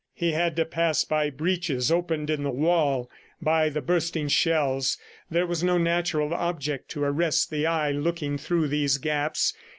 He had to pass by breaches opened in the wall by the bursting shells. There was no natural object to arrest the eye looking through these gaps.